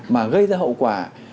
mà gây ra hậu quả